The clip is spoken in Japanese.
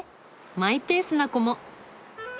マイペースな子も。